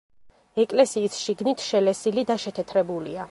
ეკლესიის შიგნით შელესილი და შეთეთრებულია.